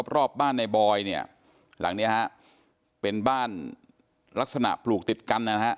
รอบบ้านในบอยหลังนี้เป็นบ้านลักษณะปลูกติดกัน